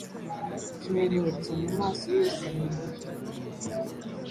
Ikimenyetso mumaso yose mpuye,